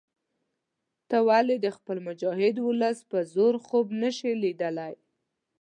ته ولې د خپل مجاهد ولس په زور خوب نه شې لیدلای.